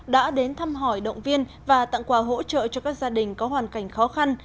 đã đến thăm hỏi động viên và tặng quà hỗ trợ cho các gia đình có hoàn cảnh khó khăn